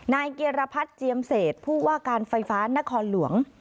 นายเกียรพัฒน์เจียมเศษผู้ว่าการไฟฟ้านครหลวง